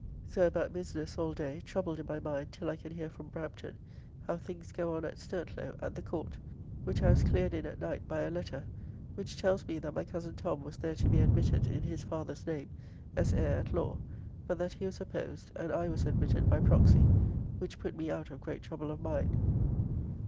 So about business all day, troubled in my mind till I can hear from Brampton, how things go on at Sturtlow, at the Court, which I was cleared in at night by a letter, which tells me that my cozen Tom was there to be admitted, in his father's name, as heir at law, but that he was opposed, and I was admitted by proxy, which put me out of great trouble of mind.